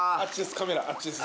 カメラあっちです。